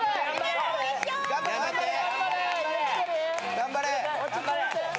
頑張れ。